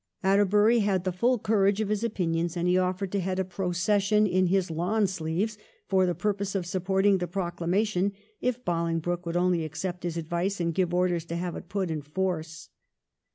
Atterbury had the full courage of his opinions, and he offered to head a procession in his lawn sleeves for the purpose of supporting the proclamation if Bolingbroke would only accept his advice and give orders to have it put in force.